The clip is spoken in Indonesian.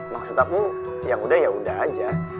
maksud aku yaudah yaudah aja